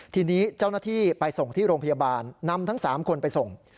ทีนี้เจ้าหน้าที่ไปส่งที่โรงพยาบาลนำทั้ง๓คนไปส่ง